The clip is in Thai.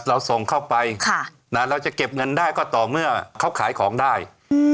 เราส่งเข้าไปค่ะนะเราจะเก็บเงินได้ก็ต่อเมื่อเขาขายของได้อืม